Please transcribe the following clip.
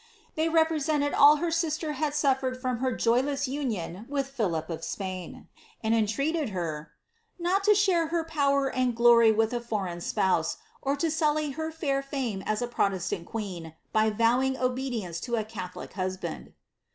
They represented all her sister had sufiered from her joyless union with Philip of Spain, and en treated her, ^ not to share her power and glory with a foreign spouse, or to sully her fair fame as a protestant queen, by vowing obedience to a catholic husband."'